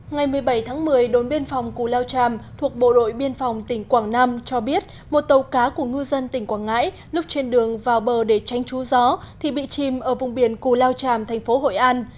ngày một mươi bảy tháng một mươi đồn biên phòng cù lao tràm thuộc bộ đội biên phòng tỉnh quảng nam cho biết một tàu cá của ngư dân tỉnh quảng ngãi lúc trên đường vào bờ để tranh chú gió thì bị chìm ở vùng biển cù lao tràm thành phố hội an